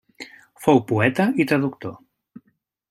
Fou poeta i traductor.